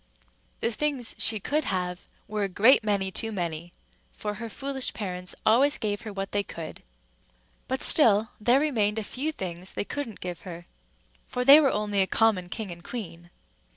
The things she could have were a great many too many, for her foolish parents always gave her what they could; but still there remained a few things they couldn't give her, for they were only a common king and queen.